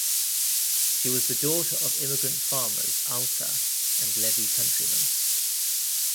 She was the daughter of immigrant farmers Alta and Levi Countryman.